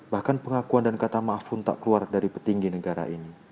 bahkan pengakuan dan kata maaf pun tak keluar dari petinggi negara ini